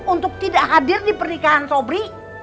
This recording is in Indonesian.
untuk tidak hadir di pernikahan robri